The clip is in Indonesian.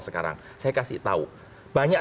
sekarang saya kasih tahu banyak